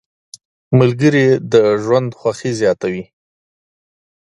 ملګري د ژوند خوښي زیاته وي.